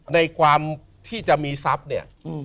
ในความที่จะมีทรัพย์เนี่ย